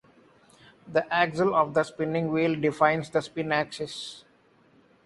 The axle of the spinning wheel defines the spin axis.